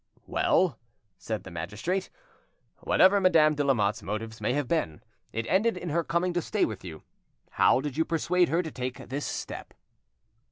"Well," said the magistrate, "whatever Madame de Lamotte's motives may have been, it ended in her coming to stay with you. How did you persuade her to take this step?"